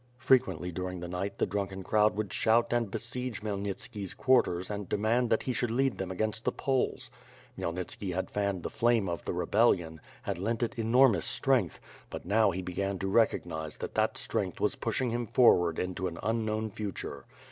Frequently during the night, the drunken crowd would shout and besiege Khmyelnitski's quarters and demand that he should lead them against the Poles. Khmyelnitski had fanned the flame of the rebellion, had lent it enormous strength; but now he began to recognize that that strength was pushing him forward into an unknown future.